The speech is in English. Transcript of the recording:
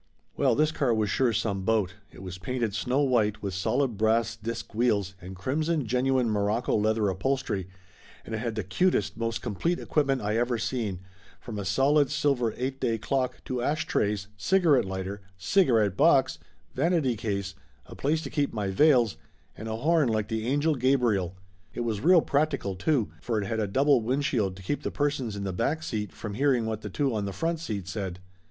Well, this car was sure some boat. It was painted snow white with solid brass disk wheels and crimson genuine morocco leather upholstery, and it had the cutest, most complete equipment I ever seen, from a solid silver eight day clock to ash trays, cigarette lighter, cigarette box, vanity case, a place to keep my veils, and a horn like the Angel Gabriel. It was real practical, too, for it had a double windshield to keep the persons in the back seat from hearing what the two on the front seat said.